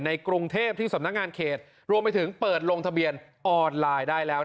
กรุงเทพที่สำนักงานเขตรวมไปถึงเปิดลงทะเบียนออนไลน์ได้แล้ว